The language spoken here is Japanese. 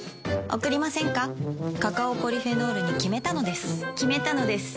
カカオポリフェノールに決めたのです決めたのです。